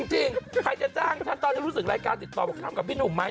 จริงใครจะจ้างฉันตอนนี้รู้สึกรายการติดต่อบอกทำกับพี่หนุ่มไหม